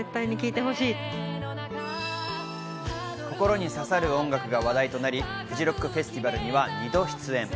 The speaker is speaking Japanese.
心に刺さる音楽が話題となりフジロックフェスティバルには２度出演。